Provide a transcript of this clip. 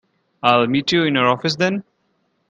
I'll meet you in your office then.